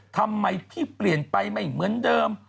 ทำไมพี่เปลี่ยนไปไม่เหมือนเดิม